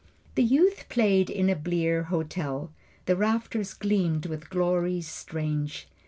The youth played in the blear hotel. The rafters gleamed with glories strange.